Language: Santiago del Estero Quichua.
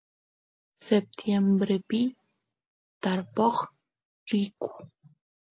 septiembrepi tarpoq riyku